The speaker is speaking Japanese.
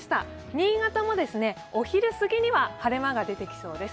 新潟もお昼すぎには晴れ間が出てきそうです。